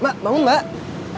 mbak bangun mbak